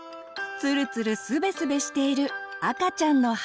ツルツルスベスベしている赤ちゃんの肌。